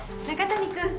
中谷君。